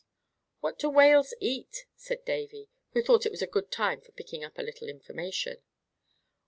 "What do whales eat?" said Davy, who thought it was a good time for picking up a little information.